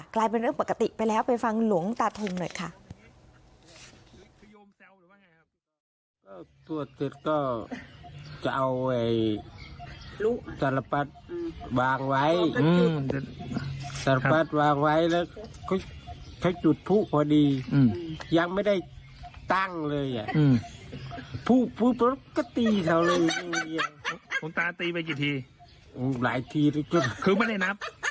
กลายเป็นเรื่องปกติไปแล้วไปฟังหลวงตาทงหน่อยค่ะ